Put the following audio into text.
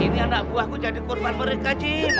ini anak buahku jadi korban mereka ci